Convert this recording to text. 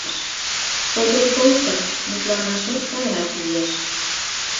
Подыл колто, мутланашет сайрак лиеш.